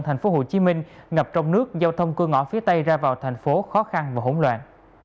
thành phố hồ chí minh ngập trong nước giao thông cơ ngõ phía tây ra vào thành phố khó khăn và hỗn loạn